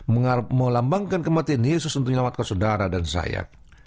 melambangkan kematian yesus untuk menyelamatkan saudara dan saya